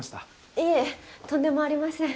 いえとんでもありません。